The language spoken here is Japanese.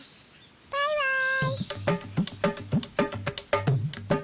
バイバーイ！